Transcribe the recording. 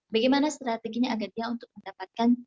bagaimana strateginya agar dia untuk mendapatkan